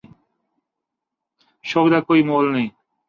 شوق دا کوئ مُل نہیں۔